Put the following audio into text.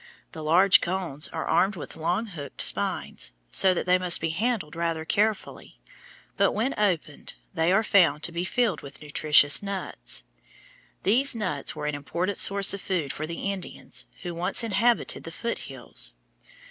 The large cones are armed with long hooked spines, so that they must be handled rather carefully, but when opened they are found to be filled with nutritious nuts. These nuts were an important source of food for the Indians who once inhabited the foot hills.